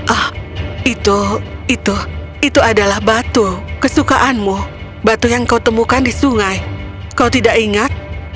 ah itu itu adalah batu kesukaanmu batu yang kau temukan di sungai kau tidak ingat